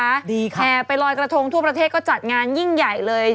ดีครับแห่ไปลอยกระทงทั่วประเทศก็จัดงานยิ่งใหญ่เลย